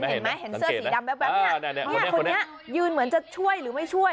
เห็นไหมเห็นเสื้อสีดำแว๊บเนี่ยคนนี้ยืนเหมือนจะช่วยหรือไม่ช่วย